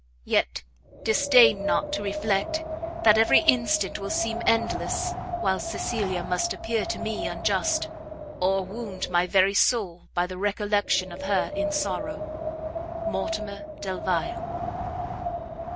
Yet disdain not to reflect that every instant will seem endless, while Cecilia must appear to me unjust, or wound my very soul by the recollection of her in sorrow. MORTIMER DELVILE.